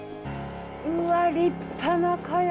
うわ立派な茅。